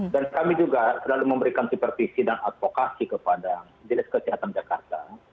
dan kami juga selalu memberikan supervisi dan advokasi kepada jenderal kesehatan jakarta